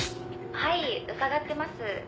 「はい伺ってます」